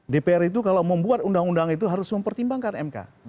dpr itu kalau membuat undang undang itu harus mempertimbangkan mk